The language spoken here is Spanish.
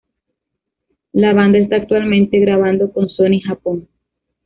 La banda está actualmente grabando con Sony Japón.